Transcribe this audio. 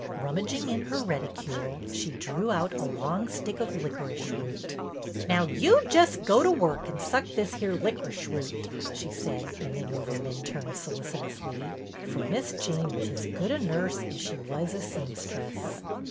Rummaging in her reticule, she drew out a long stick of licorice root. "Now you jes' go to work and suck this here lic'rish root," she said, bending over Minturne solicitously, for Miss Jane was as good a nurse as she was a seamstress.